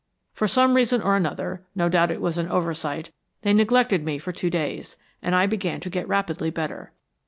For some reason or another, no doubt it was an oversight, they neglected me for two days, and I began to get rapidly better.